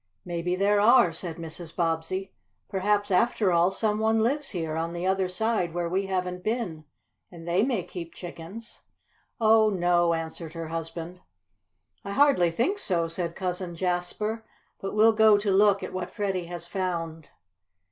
"Maybe there are," said Mrs. Bobbsey. "Perhaps, after all, some one lives here, on the other side where we haven't been. And they may keep chickens." "Oh, no," answered her husband. "I hardly think so," said Cousin Jasper. "But we'll go to look at what Freddie has found."